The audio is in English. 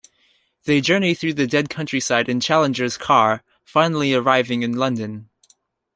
They journey through the dead countryside in Challenger's car, finally arriving in London.